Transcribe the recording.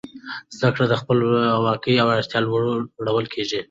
زده کړه د خپلواکۍ او وړتیا په لور وړل کیږي.